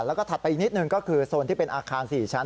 แล้วก็ถัดไปอีกนิดหนึ่งก็คือโซนที่เป็นอาคาร๔ชั้น